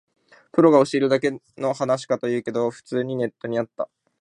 プロが教えるここだけの話とか言うけど、普通にネットにあった